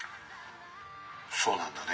「そうなんだね